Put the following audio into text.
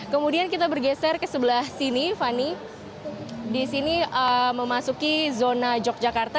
kemudian kita bergeser ke sebelah sini fani di sini memasuki zona yogyakarta